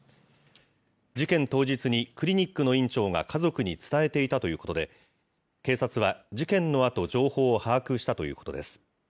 事件当日に、クリニックの院長が家族に伝えていたということで、警察は、事件のあと、情報を把握したということです。